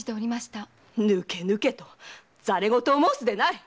ぬけぬけと戯れ言を申すでない！